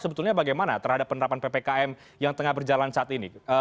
sebetulnya bagaimana terhadap penerapan ppkm yang tengah berjalan saat ini